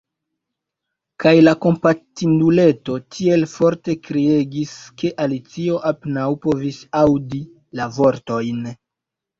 Kaj la kompatinduleto tiel forte kriegis ke Alicio apenaŭ povis aŭdi la vortojn.